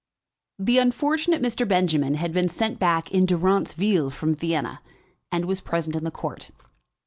The unfortunate Mr. Benjamin had been sent back in durance vile from Vienna, and was present in the court.